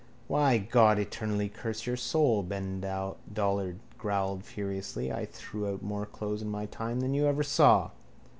—Why, God eternally curse your soul, Ben Dollard growled furiously, I threw out more clothes in my time than you ever saw.